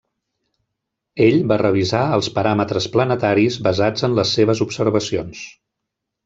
Ell va revisar els paràmetres planetaris basats en les seves observacions.